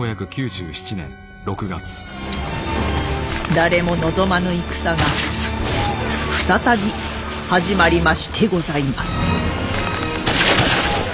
誰も望まぬ戦が再び始まりましてございます。